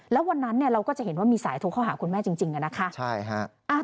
แล้ววันนั้นเราก็จะเห็นว่ามีสายโทรเข้าหาคุณแม่จริงนะคะ